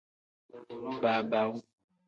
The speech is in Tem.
Baabaawu.